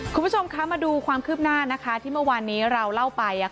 คุณผู้ชมคะมาดูความคืบหน้าที่เมื่อวานนี้เราเล่าไป